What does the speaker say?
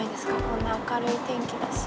こんな明るい天気だし。